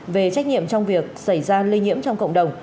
về trách nhiệm trong việc xảy ra lây nhiễm trong cộng đồng